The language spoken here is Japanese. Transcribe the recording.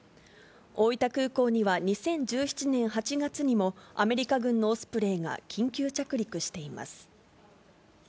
大分空港には２０１７年８月にもアメリカ軍のオスプレイが緊急着陸しています。